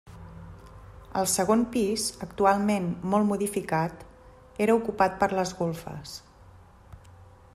El segon pis, actualment molt modificat, era ocupat per les golfes.